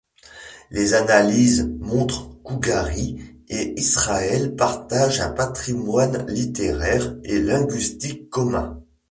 Les analyses montrent qu’Ougarit et Israël partagent un patrimoine littéraire et linguistique commun.